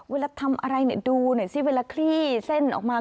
เวลาทำอะไรดูหน่อยซิเวลาคลี่เส้นออกมา